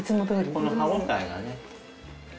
この歯応えがね。